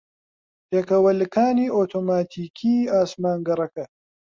پێکەوەلکانی ئۆتۆماتیکیی ئاسمانگەڕەکە